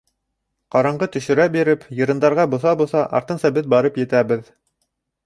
Ҡараңғы төшөрә биреп, йырындарға боҫа-боҫа, артынса беҙ барып етәбеҙ.